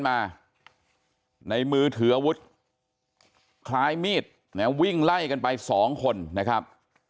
มาในมือเถือวุฒิขายมีดวิ่งไล่กันไป๒คนนะครับ